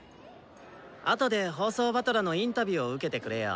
あとで放送師団のインタビューを受けてくれよ。